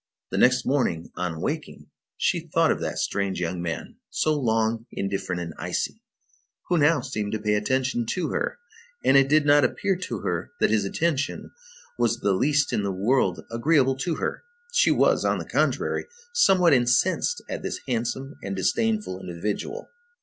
The next morning, on waking, she thought of that strange young man, so long indifferent and icy, who now seemed to pay attention to her, and it did not appear to her that this attention was the least in the world agreeable to her. She was, on the contrary, somewhat incensed at this handsome and disdainful individual.